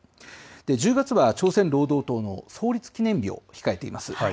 １０月は朝鮮労働党の創立記念日を控えています。